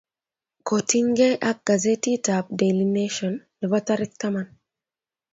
kotiny ge ak gazetit ab daily nation nebo tarik taman